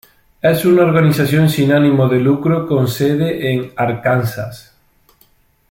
Es una organización sin ánimo de lucro con sede en Arkansas.